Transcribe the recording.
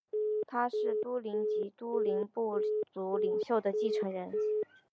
他是都灵及都灵部族领袖的继承人。